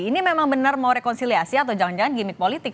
ini memang benar mau rekonsiliasi atau jangan jangan gimmick politik